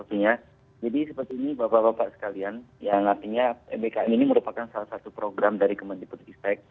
jadi seperti ini bapak bapak sekalian ya artinya mbkm ini merupakan salah satu program dari kementerian